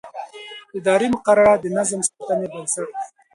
اداري مقررات د نظم د ساتنې بنسټ دي.